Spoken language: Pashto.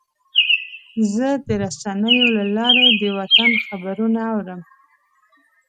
زه د رسنیو له لارې د وطن خبرونه اورم.